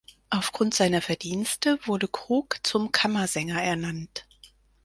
Aufgrund seiner Verdienste wurde Krug zum Kammersänger ernannt.